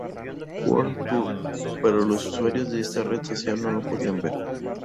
World Tour pero los usuarios de esta red social no lo podían ver.